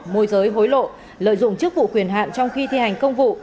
môi giới hối lộ lợi dụng chức vụ quyền hạn trong khi thi hành công vụ